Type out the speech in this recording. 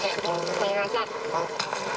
すみません。